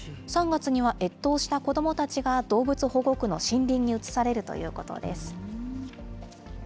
３月には越冬した子どもたちが動物保護区の森林に移されるということです。